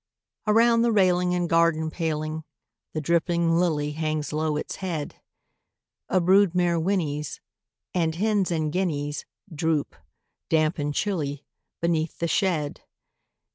Around the railing and garden paling The dripping lily hangs low its head: A brood mare whinnies; and hens and guineas Droop, damp and chilly, beneath the shed.